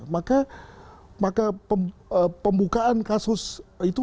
maka pembukaan kasus itu